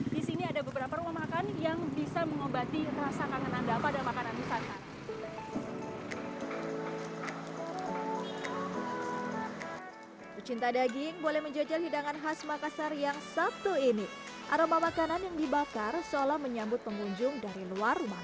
di sini ada beberapa rumah makan yang bisa mengobati rasa kangen anda pada makanan nusantara